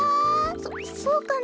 そそうかな？